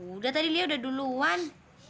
udah tadi lia udah duluan